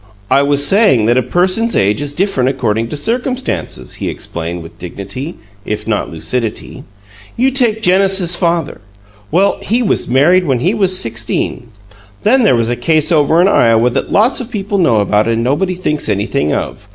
"I was saying that a person's age is different according to circumstances," he explained, with dignity, if not lucidity. "You take Genesis's father. Well, he was married when he was sixteen. Then there was a case over in Iowa that lots of people know about and nobody thinks anything of.